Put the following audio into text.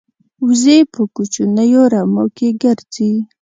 وزې په کوچنیو رمو کې ګرځي